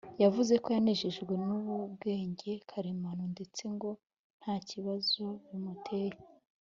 yavuze ko yanejejwe n’ubu bwenge karemano ndetse ngo nta kibazo bimuteye